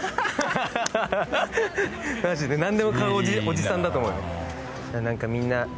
マジで何でも買うおじさんだと思うよ。